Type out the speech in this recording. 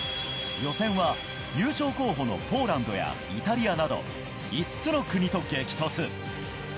予選は優勝候補のポーランドやイタリアなど５つの国と激突。